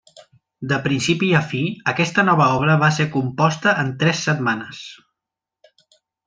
De principi a fi, aquesta nova obra va ser composta en tres setmanes.